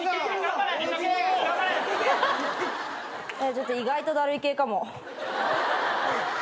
ちょっと意外とだるい系かも。